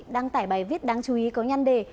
đăng tải bài viết đáng chú ý có nhăn đề